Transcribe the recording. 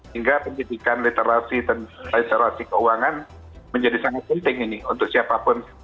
hingga pendidikan literasi dan literasi keuangan menjadi sangat penting ini untuk siapapun